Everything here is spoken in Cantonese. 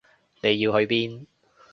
你要去邊？